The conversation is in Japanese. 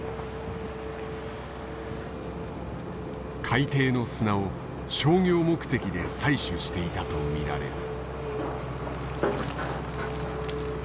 海底の砂を商業目的で採取していたと見られる。